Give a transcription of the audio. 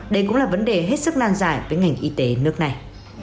đây cũng là vấn đề hết sức nan giải với ngành y tế nước này